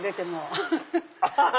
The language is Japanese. アハハハ！